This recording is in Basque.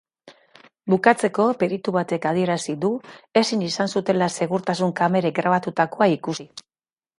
Bukatzeko, peritu batek adierazi du ezin izan zutela segurtasun kamerek grabatutakoa ikusi.